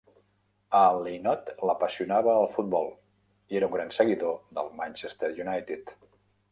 A Lynott l'apassionava el futbol i era un gran seguidor del Manchester United.